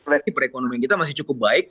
karena pun saya rasa ekonomi kita masih cukup baik